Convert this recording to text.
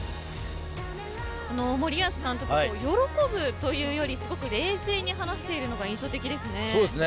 森保監督、喜ぶというよりすごく冷静に話しているのが印象的ですね。